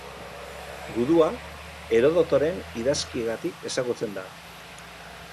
Gudua, Herodotoren idazkiengatik ezagutzen da.